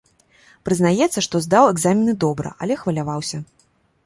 Прызнаецца, што здаў экзамены добра, але хваляваўся.